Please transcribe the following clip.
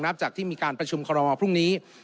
นับจากที่มีการประชุมคณะรัฐมนตรีพรุ่งนี้